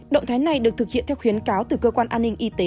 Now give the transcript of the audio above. động thái này được thực hiện theo khuyến cáo từ cơ quan an ninh y tế